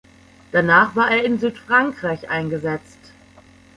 Danach war er in Südfrankreich eingesetzt.